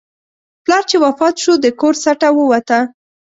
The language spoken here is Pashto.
پلار چې وفات شو، د کور سټه ووته.